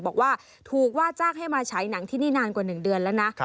บอกว่าถูกว่าจ้างให้มาฉายหนังที่นี่นานกว่า๑เดือนแล้วนะ